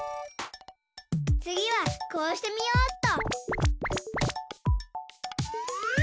つぎはこうしてみようっと。